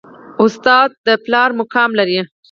استاد د پلار مقام لري